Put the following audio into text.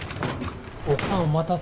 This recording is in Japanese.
おかんお待たせ。